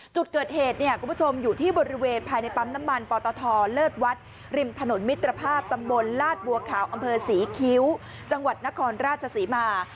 จุดเกิดเหตุเนี่ยคุณผู้ชมอยู่ที่บริเวณภายในปั๊มน้ำมันปตทเลิศวัดริมถนนมิตรภาพตำบลลาดบัวขาวอำเภอศรีคิ้วจังหวัดนครราชศรีมา